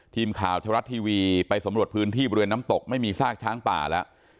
ทีมข่าวชาวรัฐทีวีไปสำรวจพื้นที่บริเวณน้ำตกไม่มีซากช้างป่าแล้ว